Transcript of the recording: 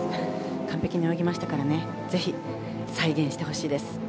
完璧に泳ぎましたからぜひ、再現してほしいです。